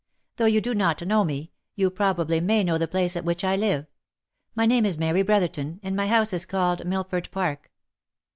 Though you do not know me, you probably may know the place at which I live. My name is Mary Brotherton, and my house is called Millford Park."